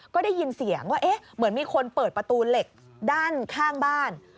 ก็ได้ยินเสียงว่าเอ๊ะเหมือนมีคนเปิดประตูเหล็กด้านข้างบ้าน